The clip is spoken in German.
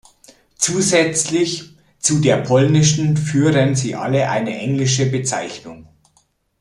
Zusätzlich zu der polnischen führen sie alle eine englische Bezeichnung.